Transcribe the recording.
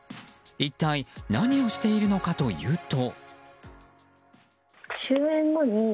一体何をしているのかというと。